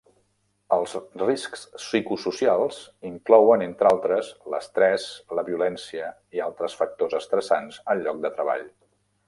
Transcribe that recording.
Els riscs psicosocials inclouen, entre altres, l'estrès, la violència i altres factors estressants al lloc de treball.